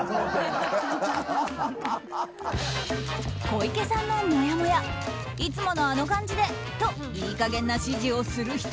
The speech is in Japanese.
小池さんのもやもやいつものあの感じでといい加減な指示をする人。